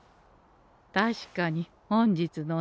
確かに本日のお宝